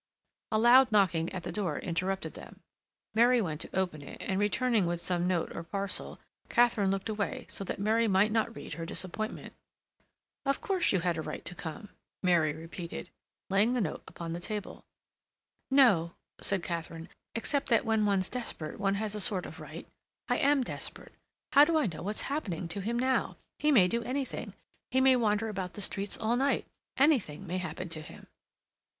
A loud knocking at the door interrupted them. Mary went to open it, and returning with some note or parcel, Katharine looked away so that Mary might not read her disappointment. "Of course you had a right to come," Mary repeated, laying the note upon the table. "No," said Katharine. "Except that when one's desperate one has a sort of right. I am desperate. How do I know what's happening to him now? He may do anything. He may wander about the streets all night. Anything may happen to him."